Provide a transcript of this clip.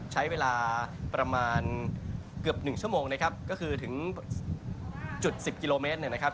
ใช้เวลาประมาณเกือบ๑ชั่วโมงนะครับก็คือถึงจุด๑๐กิโลเมตรเนี่ยนะครับ